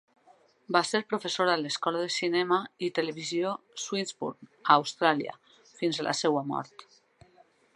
Va ser professor a l"escola de cinema i televisió Swinburne a Austràlia fins a la seva mort.